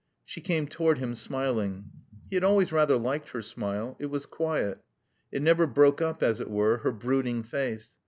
She came toward him smiling. He had always rather liked her smile. It was quiet. It never broke up, as it were, her brooding face.